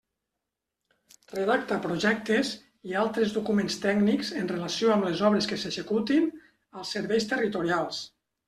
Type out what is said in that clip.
Redacta projectes i altres documents tècnics en relació amb les obres que s'executin als serveis territorials.